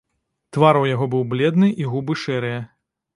Твар яго быў бледны і губы шэрыя.